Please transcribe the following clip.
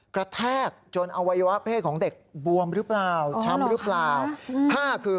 แทกจนอวัยวะเพศของเด็กบวมหรือเปล่าช้ำหรือเปล่า